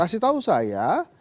kasih tahu saya